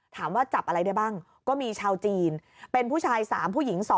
ถามว่าจับอะไรได้บ้างก็มีชาวจีนเป็นผู้ชาย๓ผู้หญิง๒